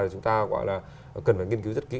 chúng ta gọi là cần phải nghiên cứu rất kỹ